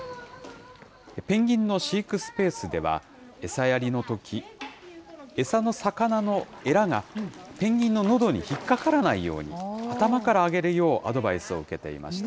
ペンギンの飼育スペースでは、餌やりのとき、餌の魚のえらがペンギンののどに引っ掛からないように、頭からあげるようアドバイスを受けていました。